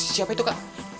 siapa itu kak